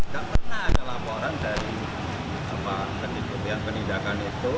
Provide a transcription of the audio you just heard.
gak pernah ada laporan dari penindakan itu